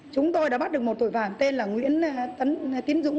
chúng tôi đã bắt được một tội phạm tên là nguyễn tấn tiến dũng